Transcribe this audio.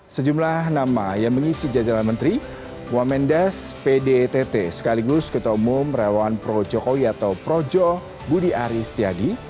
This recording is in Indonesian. sejumlah nama yang mengisi jajalan menteri wamendas pdtt sekaligus ketua umum rewan pro jokowi atau projo budi ari setiagi